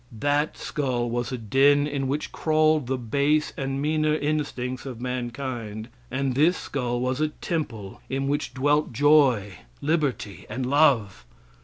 That skull was a den in which crawled the base and meaner instincts of mankind, and this skull was a temple in which dwelt joy, liberty and love.